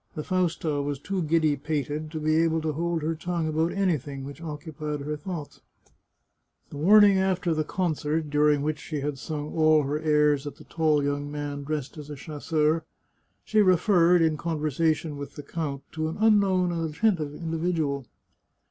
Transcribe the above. The Fausta was too giddy pated to be able to hold her tongue about anything which occupied her thoughts. The morning after the concert, during which she had sung all her airs at the tall young man dressed as a chasseur, she referred, in conversation with the count, to an unknown and attentive individual.